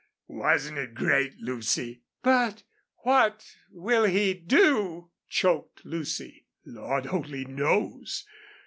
"Wasn't it great, Lucy?" "But what will he do?" choked Lucy. "Lord only knows.